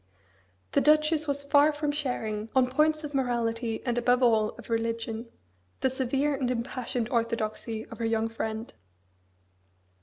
The Duchess was far from sharing, on points of morality, and above all of religion, the severe and impassioned orthodoxy of her young friend.